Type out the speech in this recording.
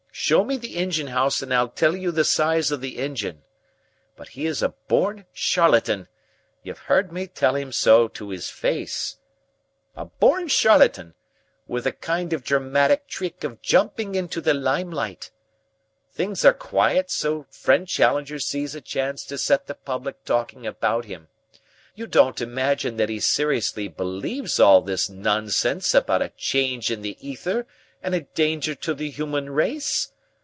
Show me the engine house and I'll tell you the size of the engine. But he is a born charlatan you've heard me tell him so to his face a born charlatan, with a kind of dramatic trick of jumping into the limelight. Things are quiet, so friend Challenger sees a chance to set the public talking about him. You don't imagine that he seriously believes all this nonsense about a change in the ether and a danger to the human race?